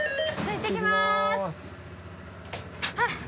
いってきます。